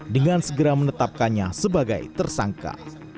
dengan segera menetapkannya sebagai tersangka